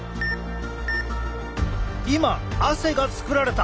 今汗が作られた！